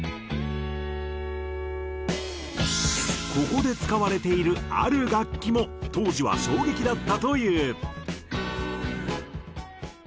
ここで使われているある楽器も当時は衝撃だったという。